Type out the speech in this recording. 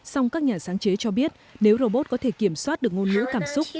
song các nhà sáng chế cho biết nếu robot có thể kiểm soát được ngôn ngữ cảm xúc